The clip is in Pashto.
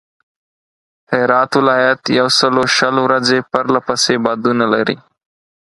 هرات ولایت یوسلوشل ورځي پرله پسې بادونه لري.